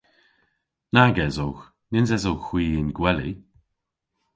Nag esowgh. Nyns esowgh hwi y'n gweli.